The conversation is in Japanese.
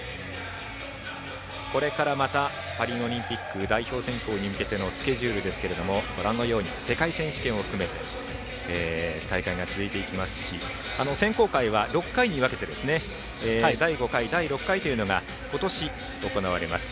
これからまたパリオリンピック代表選考に向けてのスケジュールですが世界選手権を含めて大会が続いていきますし選考会は６回に分けて第５回、第６回というのが今年、行われます。